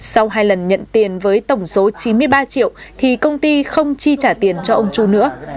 sau hai lần nhận tiền với tổng số chín mươi ba triệu thì công ty không chi trả tiền cho ông chu nữa